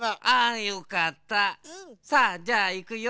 さあじゃあいくよ